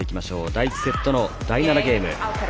第１セットの第７ゲーム。